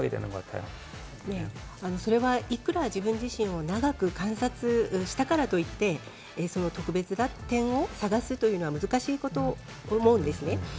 いくら自分自身を長く観察したからといって、特別な点を探すというのは難しいことだと思うんですね。